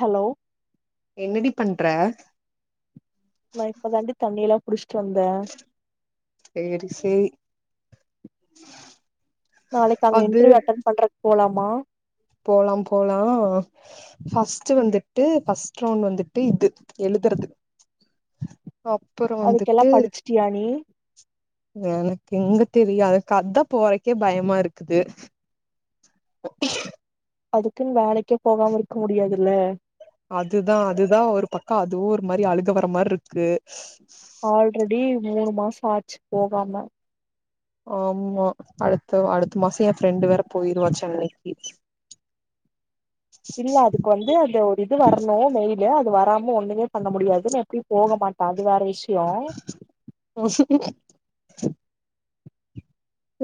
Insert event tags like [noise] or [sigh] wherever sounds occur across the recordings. Hello என்னடி பண்ற நா இப்பதாண்டி தண்ணியிலா செரி செரி [inaudible] நாளைக்கு அங்க இன்டர்வியூ அட்டெண்ட் பண்றக்கு போலாம் மா போலாம் போலாம் ஃபஸ்ட்டு வந்துட்டு ஃபஸ்ட் ரவுண்ட் வந்துட்டு இது எழுதுறது அப்புறோ அதுக்கெல்லா வந்துட்டு படிச்சிட்டியா நீ எனக்கு எங்க தெரியு அதுக்கு அதா போறக்கே பயமா இருக்குது அதுக்குன்னு வேலைக்கே போகாம இருக்க முடியாதுல்ல அதுதா அதுதா ஒரு பக்கம் அதுவும் ஒர் மாரி அழுக வரமார்ருக்கு ஆல்ரெடி மூணு மாசம் ஆச்சு போகாம ஆமா அடுத்தவா அடுத்த மாசம் என் ஃப்ரெண்டு வேற போயிருவா சென்னைக்கு. இல்ல அதுக்கு வந்து அந்த ஒர் இது வரணும் மெய்ல் க அது வராம ஒண்ணு ஏ பண்ண முடியாதுன்னு எப்டி போக மாட்டே அது வேற விஷ் [inaudible]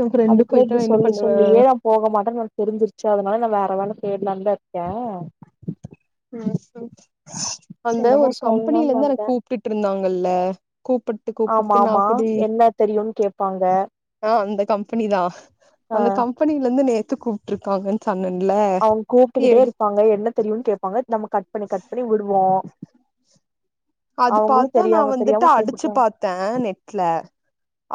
எ அது ஃப்ரெண்டு கூட போயிட்டா இப்டி என்ன சொல்லி பண்ணுவ சொல்லியே நா போக மாட்டேன்னு உனக் தெரிந்திருச்சு அதனால நா வேற வேல தேடு லானுதா இருக்கே ம்ஹூம் அந்த என்னமோ ஒரு கம்பெனியில சொல்லணுன்னு இருந்து வந்தே எனக்கு கூப்ட்டுட்டு இருந்தாங்கல்ல கூப்பிட்டு ஆமா கூப்பிட்டு நா ஆமா கூடி என்ன தெரியுன்னு கேப்பாங்க அ அந்த கம்பெனி தா, ஆ அந்த கம்பெனில இருந்து நேத் எதுக்கு கூப்ட்டுருக்காங்குனு சந் அவங்க கூப்பிட்டுகிட்டே இருப்பாங்க என்ன தெரியுன்னு கேட்பாங்க நம்ம கட் பண்ணி கட் பண்ணி விடுவோம் அது பாத்தா நா தெரியாம வந்துட்டு தெரியாம அடிச்சு கூப்புட்றாங்க பாத்த நெட்ல,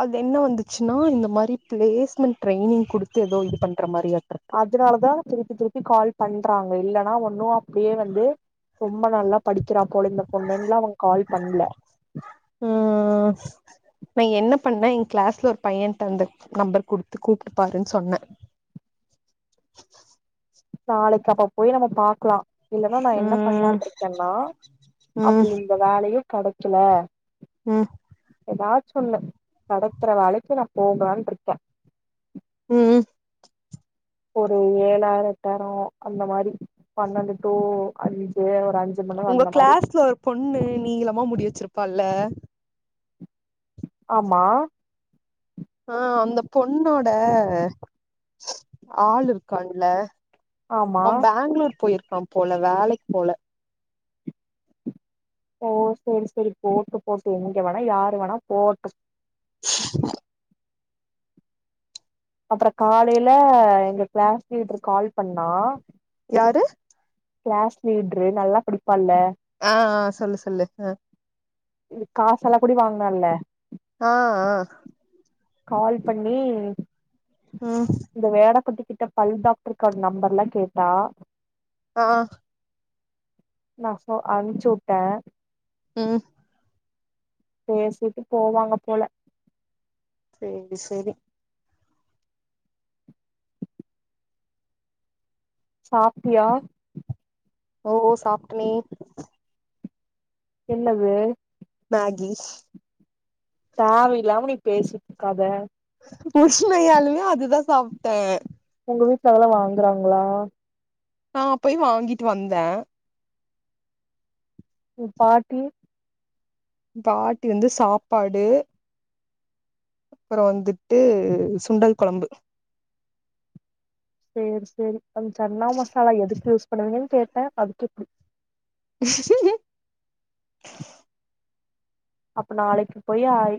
அது என்ன வந்துச்சுன்னா இந்த மா ரி பிளேஸ்மெண்ட் ட்ரைய்னிங் குடுத்து, எதோ இது பண்ற மாரியா.. அதுனாலதா திருப்பி திருப்பி கால் பண்றாங்க இல்லனா ஒண்ணு இப்டியே வந்து ரொம்ப நல்லா படிக்கிறா போல இந்த பொண்ணுனுல்லா அவன் கால் பண்ல. பண்ண என் கிளாஸ்ல ஒரு பையன்ட்டு இருந்து நம்பர் குடுத்து கூப்ட்டுப்பாருனு சொன்ன நாளைக்கு அப்ப போய் நம்ம பாக்லா இல்லனா நா என்ன ம் பண்ணலான்று இருக்கேனா ம் அப்டி இந்த வேலயு கெடை க்கல உம் எதாச்சு ஒன்னு கெடைக்கிற வேலைக்கு நா போகலான்ட்டு இருக்க உம் ஒரு ஏழாயிரோ எட்டாயிரோ அந்த மாரி பன்னெண்டு டூ அஞ்சு ஒரு அஞ்சு மணி நேரோ உங்க அந்த மாரி கிளாஸ்ல ஒரு பொண்ணு நீளமா முடி வெச்சிருப் பால்ல ஆமா ஆஹ் அந்த பொண்ணோட ஆள் இருக்கான்ல ஆமா அவன் பேங்ளூர் போயிரு கான் போல வேலைக்கு போல ஓ செரி செரி போட்டு போட்டு எங்க வேணா யாரு வேணா போட்டு அப்புறோ காலைல எங்க கிளாஸ் லீடர் கால் பண்ணா யாரு கிளாஸ் லீடுரு நல்லா படிப்பால்ல ஆஹ்ஹ் சொல்லு சொல்லு ஆஹ் காச எல்லாங் கூடி வாங்குனால்ல ஆஹ் ஆஹ் கால் பண்ணி ம் இந்த வேட பட்டி கிட்ட பல் டாக்டர் கார்டு நம்பர் எல்லா கேட்டா ஆஹ் நா சோ அனுப்ச்சு விட்ட ம் பேசிட்டு போவாங்க போல செரி செரி சாப்டியா ஓ சாப்ட்டனே என்னது மேகி தேவ இல்லாம நீ பேசிட்டு இருக்காத உண்மயாலுமே அதுதா சாப்ட்ட உங்க வீட்ல அதெல்லா வாங்குறாங்களா நா போய் வாங்கிட்டு வந்த உ பாட்டி பாட்டி வந்து சாப்பாடு அப்றம் வந்துட்டு சுண்டல் கொழம்பு செரி செரி அந்த சன்னா மசாலா எதுக்கு யூஸ் பண்ணுவீங்கன்னு கேட்ட அதுக்குப்புடி அப்ப நாளைக்கு போய் ஆய்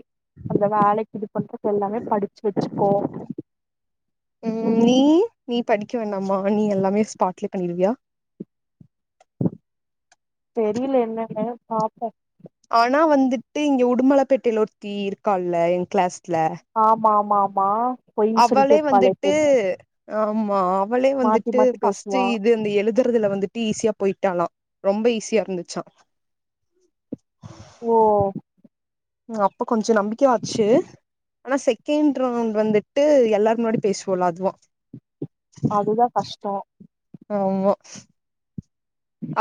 அந்த வேலைக்கு இது பண்றது எல்லாமே படிச்சு வெச்சுக்கோ ம் நீ நீ படிக்க வேண்டாமா நீ எல்லாமே ஸ்பாட்லே பண்ணிருவியா தெரில என்னனு பாப்போ ஆனா வந்துட்டு இங்க உடுமலைப்பேட்டைல ஒருத்தி இருக்கால என் கிளாஸ் ஆமாம் மாமா அவளே வந்துட்டு அ மா அவளே மாத்தி வந்துட்டு மாத்தி ஃபஸ்ட் டு பேசுவா இது அந்த எழுதுறதுல வந்துட்டு ஈஸியா போயிட்டாலா ரொம்ப ஈஸியா இருந்துச்சா ஓ அப்ப கொஞ்சம் நம்பிக்கையா ஆச்சு ஆனா செகண்ட் ரவுண்ட் வந்துட்டு எல்லாரு முன்னாடி பேசுவோல அதுவாம் அதுதா கஷ்டோ ஆம்மா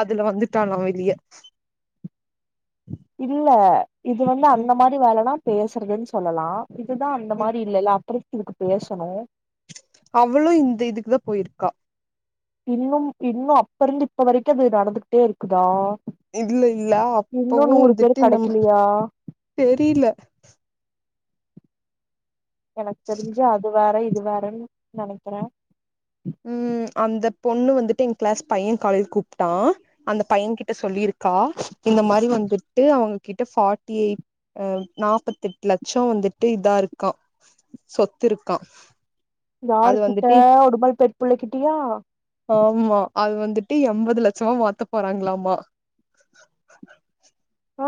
அதுல வந்துட்டானா வெளியே இல்ல இது வந்து ம் அந்த மாரி வேலன்னா பேசுறதுனு சொல்லலா இதுதா அந்த ம் மாரி இல்லல்ல அப்டி இதுக்கு பேசணோ அவளு இந்த இதுக்குதா போயிருக்கா இன்னும் இன்னோ அப்ப இருந்து இப்ப வரைக்கோ அது நடந்துகிட்டே இருக்குதா இல்ல இல்ல இன்னு அப்பவு நூறு பேரு வந்துட்டு இந்த நம்ம கெடைக்கலையா தெரியுல எனக்கு தெரிஞ்சு அதுவு இது வேற இது வேறனு நெனைக்குறே ம் அந்த பொண்ணு வந்துட்டு எங்க கிளாஸ் பைய காலேஜ்ல கூப்ட்டா அந்த பைய கிட்ட சொல்லியிருக்கா இந்த மாரி வந்துட்டு அவுங்க கிட்ட ஃபார்ட்டிஎயிட் நாப்பத்தெட்டு லட்சோ வந்துட்டு இதா இருக்கா சொத்து இருக்கா யாரு அது கிட்ட வந்துட்டு ஒரு பல் பெட் புள்ளகிட்டியா ஆமா அது வந்துட்டு எண்பது லட்சமா மாத்த போறாங்களாமா ஹ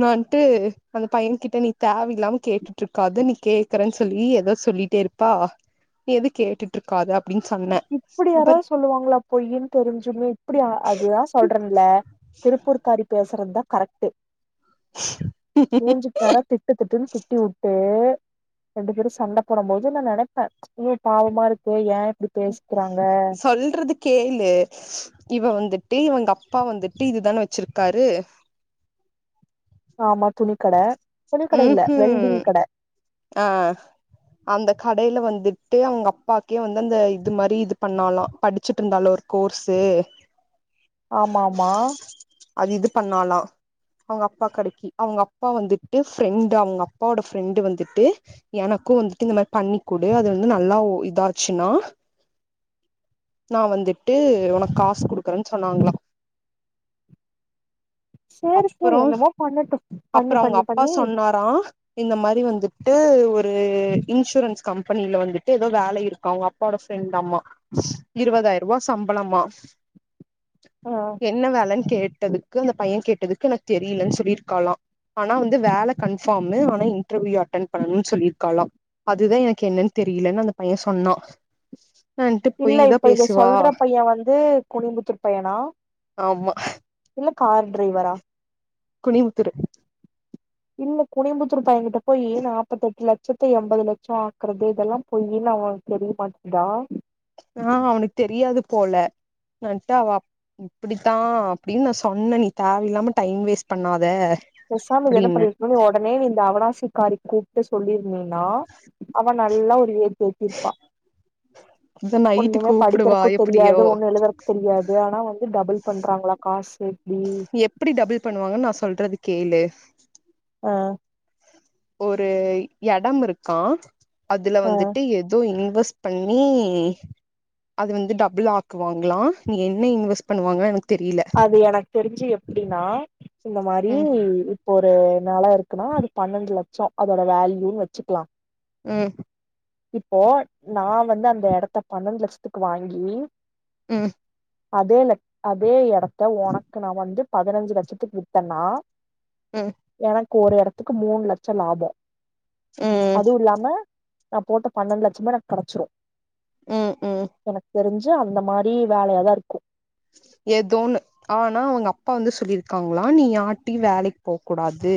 நா வன்டு அந்த பைய கிட்ட நீ தேவ இலாம கேட்டுட்டு இருக்காத நீ கேக்றன்னு சொல்லி ஏதோ சொல்லிட்டே இருப்பா நீ எது கேட்டுட்டு இருக்காத அப்டின்னு சொன்னே இப்புடி அப்பற யாராவது சொல்லுவாங்களா பொய்யின்னு தெரிஞ்சுமே இப்டி அதுதான் சொல்றேன்ல திருப்பூர்க்காரி பேசுறதுத கரெக்ட்டு மூஞ்சிக் நேர திட்டு திட்டுன்னு திட்டி உட்டு ரெண்டு பேரும் சண்ட போட போது நான் நினைப்பேன் ஏ பாவமா இருக்கு ஏன் பேசிக்கறாங்க சொல்றது கேளு இவ வந்துட்டு இவங்க அப்பா வந்துட்டு இதுதான வச்சிருக்காரு ஆமா துணிக்கட துணிக்கட உம் இல்ல வெல்டிங் உஹம் கட ஆஹ் அந்த கடையில வந் துட்டு அவங்க அப்பாக்கே வந்து அந்த இது மாதிரி இது பண்ணாலாம் படிச்சட்டு இருந்தாலும் ஒரு கோர்ஸு ஆமமா அது இது பண்ணாலாம் அவங்க அப்பா கடைக்கு அவங்க அப் பா வந்துட்டு ஃப்ரெண்டு் அவங்க அப்பாவோட ஃப்ரெண்டு் வந்துட்டு எனக்கும் வந்துட்டு இந்த மாரி பண்ணிக்கடு அது வந்து நல்லா இதாச்சுன்னா நான் வந்துட்டு உனக்கு காசு குடுக்குறேன்னு சொன்னாங்களா சரி சரி என்னமோ பண்ணட்டும் அப்புறம் அவங்க அப்பா சொன்னாரா இந்த மாரி வந்து ட்டு ஒரு இன்சூரன்ஸ் கம்பெனில வந்துட்டு ஏதோ வேலை இருக்கா அவங்க அப்பாவோட ஃப்ரெண்ட் ஆமா இருபதாயிரம் ரூபா சம்பளம்மா ஆ என்ன வேலன்னு கேட் டதுக்கு அந்த பையன் கேட்டதுக்கு எனக்கு தெரியலன்னு சொல்லியிருக்கலாம் ஆனா வந்து வேலை கன்ஃபார்ம் ஆனா இன்டர்வியூ அட்டன் பண்ணணும்னு சொல்லிருக்கலாம் அதுதான் எனக்கு என்னன்னு தெரியலன்னு அந்த பையன் சொன்னான் இல்ல இப்ப இத சொல்ற பையன் வந்து குனிம்புத்தூர் பையனா ஆமா இல்ல கார் டிரைவரா குனிவுத்துரு இல்ல குனியம்புத்தூர் பையனங்கிட்ட போய் நாற்பத்த எட்டு லட்சத்து எண்பது லட்சம் ஆக்குறது இதெல்லாம் பொய்யின்னு அவன் தெரிய மாட்டேதா ஆஹ் அவனுக்கு தெரியாது போல நான்டு அவள் இப்படித்தான் அப்படின்னு நான் சொன்னேன் நீ தேவ இலாம டைம் வேஸ்ட் பண்ணாத பேசாம இது என்ன அப்டின்னே பண்ணிருக்கனு உடனே நீ இந்த அவனாசி காரி கூப்டு சொல்லிரு ந்தனா அவ நல்ல ஒரு ஏத்து ஏத்திருப்பா அதா நைட்டு ஒண்ணுமே கூப்புடுவா படிக்கிறதுக்கு தெரியாது எப்டியோ ஒண்ணு எழுதுறக்கு தெரியாது ஆனா வந்து டபுள் பண்றாங்களா காசு இப்டி எப்படி டபுள் பண்ணுவாங்கன்னு நான் சொல்றது கேளு ஆஹ் ஒரு எடம் இருக்கான் அதுல ஆ வந்துட்டு ஏதோ இ ன்வஸ் பண்ணி அது வந்து டபுள் ஆக்குவாங்களாம் நீ என்ன இன்வெஸ்ட் பண்ணுவாங்க எனக்கு தெரில அது எனக்கு தெரிஞ்சு எப்படின்னா இந்த மாரி ம் இப்போ ஒரு வேல இருக்குன்னா அது பன்னெண்டு லட்சம் அதோட வேல்யூன்னு வச்சுக்கலாம் உஹம் இப்போ நான் வந்து அந்த இடத்த பன்னந்து லட்சத்துக்கு வாங்கி ம் அதோல அதே எட த்த உனக்கு நா வந்து பதினஞ்சு லட்சத்துக்கு விட்டேனா ம் கு ஒரு எடத்துக்கு மூணு லட்சம் லாபம் ம் அதுவு இல்லாம நா போட்ட பன்னெண்டு லட்சமு எனக்கு கெடைச்சிரு ம் ம் எனக்கு தெரிஞ்சி செஞ்சா அந்த மாரி வேலையாதா இருக்கு ஏதோனு ஆனா அவுங்க அப்பா வந்து சொல்லிருக்காங்களா நீ யார்ட்டியு வேலைக்கு போக்கூடாது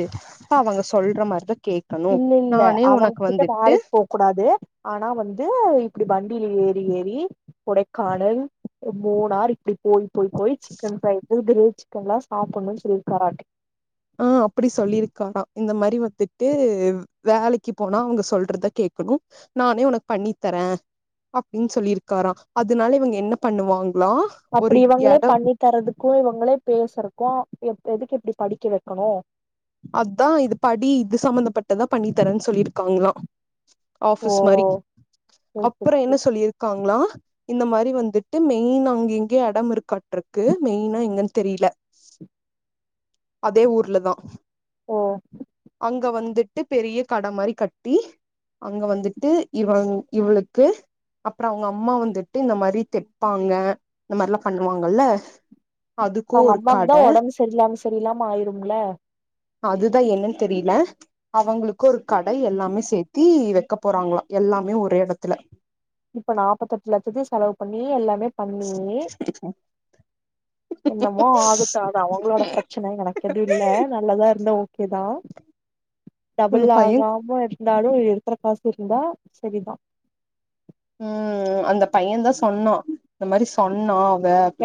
அவங்க சொல்ற மாரிதா கேட்கணு இல்ல இல்ல நானே உனக்கு அவங்ககிட்ட வந்துட்டு வேலைக்கு போக்கூடாது ஆனா வந்து இப்டி வண்டில ஏறி ஏறி கொடைக்கானல் மூணார் இப்டி போய் போய் போய் சிக்கன் ஃப்ரைஸ் கிரில் சிக்கன் எல்லா சாப்புட்ணுனு சொல்லிருக்காராட்டு ஆ, அப்டி சொல்லிருக்காரா இந்த மாரி வந்துட்டு வேலைக்கி போனா அவுங்க சொல்றத கேக்குணு நானே உனக்கு பண்ணித்தர அப்டினு சொல்லிருக்காரா அதுனால இவுங்க என்ன பண்ணுவாங் அப்டி இவங்களே பண்ணி தரதுக்கு இவங்களே பேசறக்கு எது எதுக்கு இப்டி படிக்க வை க்கனு அதா இது படி இது சம்மந்தப்பட்டதா பண்ணி தரனு சொல்லிருக்காங்களா ஓ ஆபிஸ் மாரி சரி அப்பற சரி என்ன சரி. சொல்லிருக்காங்ளா இந்த மாரி வந்துட்டு மெயின் அங்கெங்கயோ அடம் இருக்காட்டுருக்கு மெயினா எங்கனு தெரில அதே ஊர்லதா ஓ அங்க வந்துட்டு பெரிய கட மாரி கட்டி அங்க வந்துட்டு இவளங் இவுளுக்கு அப்றோ அவுங்க அம்மா வந்துட்டு இந்த மாரி தெப்பாங்க இந்த மாரிலா பண்ணுவாங்கல்ல அதுக்கு அவங்க ஒரு கட அம்மாவுக்குதா ஒடம்பு சரிலாம சரியிலாம ஆயிரும்ல அதுதா என்னென்னு தெரியல அவுங்ளுக்கு ஒரு கடை எல்லாமே சேர்த்தி வெக்க போறாங்களா எல்லாமே ஒரே எடத்துல இப்ப நாப்பத்தெட்டு லட்சத்தையு செலவு பண்ணி எல்லாமே பண்ணி என்னமோ ஆகட்டு அது அவங்களோட பிரச்சன எனக்கு எதும் இல்ல நல்லதா இருந்த ஓ கே தா அந்த டபுள் பைய ஆகாம இருந்தாலு இருக்குற காசு இருந்தா சரிதா ம் அந்த பையன்தா சொன்னா இந்த மாரி சொன்னா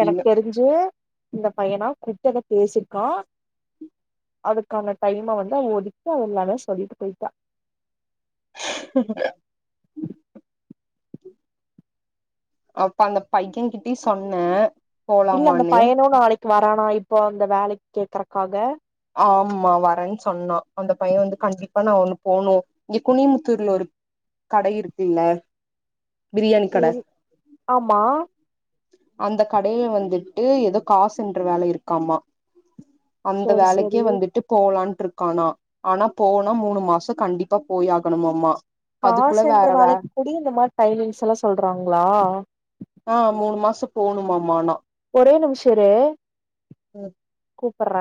எனக்கு தெரிஞ்சு இந்த பையனா குட்டத பேசிருக்கா அதுக்கான டைம வந்து அவ ஒதுக்கி அவ எல்லாமே சொல்லிட்டு போயிட்டா அப்ப அந்த பையன் கிட்டயு சொன்ன இல்ல அந்த பையனு நாளைக் கு வரானா இப்போ அந்த வேலைக்கு கேக்குறக்காக ஆமா வரனு சொன்னா அந்த பைய வந்து கண்டிப்பா நா ஒண்ணு போனு இங்க குனிமுத்தூர்ல ஒரு கடை இருக்குல்ல பிரியாணி கட சேரி ஆமா அந்த கடைல வந்துட்டு ஏதோ காசு எண்ற வேலை இருக்காமா அந்த சேரி வேலைக்கே சேரி வந்துட்டு போலான்ட்ரு க்கானா ஆனா போனா மூணு மாசொ கண்டிப்பா போய் ஆகணுமாம்மா காசு எண்ற வேலைக்கு கூடியு இந்த மாரி டைமிங்ஸ்லா சொல்றாங்ளா ஆ மூணு மாசோ போணுமாமா நா ஒரே நிமிஷ இரு கூப்புட்ற